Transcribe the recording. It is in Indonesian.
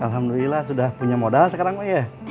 alhamdulillah sudah punya modal sekarang ya